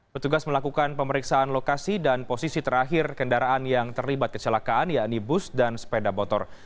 petugas melakukan pemeriksaan lokasi dan posisi terakhir kendaraan yang terlibat kecelakaan yakni bus dan sepeda motor